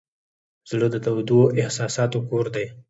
زړه د تودو احساساتو کور دی.